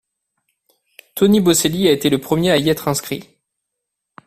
Tony Boselli a été le premier a y être inscrit.